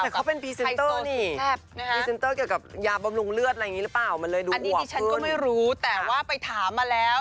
มันเลยดูอวกขึ้นอันนี้ที่ฉันก็ไม่รู้แต่ว่าไปถามมาแล้ว